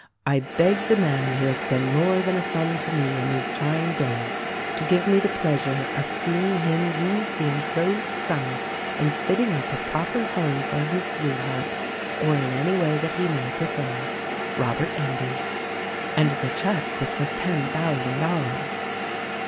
"I beg the man who has been more than a son to me in these try ing days to give me the pleasure of seeing him use the enclosed sum in fitting up a proper home for his sweetheart — or in any way that he may prefer. Robert Endy." And the check was for ten thousand dollars.